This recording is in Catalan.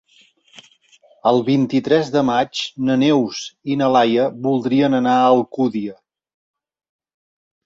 El vint-i-tres de maig na Neus i na Laia voldrien anar a Alcúdia.